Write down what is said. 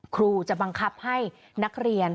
ครูจะบังคับให้นักเรียน